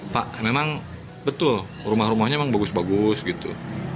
pak memang betul rumah rumahnya memang bagus bagus gitu